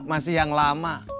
masih yang lama